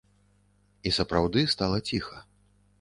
І сапраўды стала ціха.